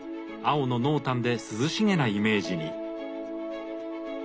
青の濃淡で涼しげなイメージに。